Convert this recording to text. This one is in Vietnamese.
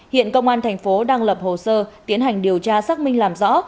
hiện công an thành phố đang lập hồ sơ tiến hành điều tra xác minh làm rõ